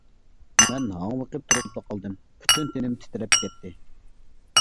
مەن ھاڭۋېقىپ تۇرۇپلا قالدىم، پۈتۈن تېنىم تىترەپ كەتتى.